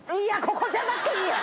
ここじゃなくていいや。